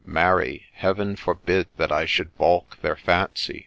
' Marry, Heaven forbid that I should baulk their fancy